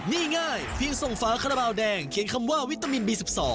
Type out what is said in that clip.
นี่ง่ายเพียงส่งฝาคาราบาลแดงเขียนคำว่าวิตามินบี๑๒